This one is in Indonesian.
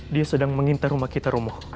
dia sedang mengintai rumah kita romo